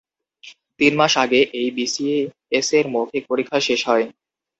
তিন মাস আগে এই বিসিএসের মৌখিক পরীক্ষা শেষ হয়।